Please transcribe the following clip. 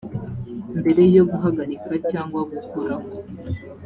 mbere yo guhagarika cyangwa gukuraho